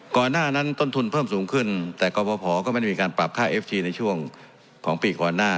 ก่อนหน้านั้นต้นทุนเพิ่มสูงขึ้นแต่กรพก็ไม่ได้มีการปรับค่าเอฟซีในช่วงของปีก่อนหน้า